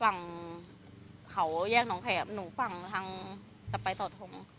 ฝั่งเขาแยกน้องแขมหนูฝั่งทางจะไปสอดทง